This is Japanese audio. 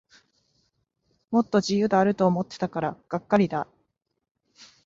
もっと自由度あると思ってたからがっかりだ